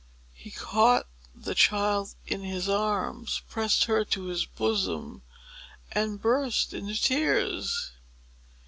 He caught the child in his arms, pressed her to his bosom, and burst into tears.